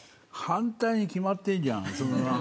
反対に決まってるじゃん。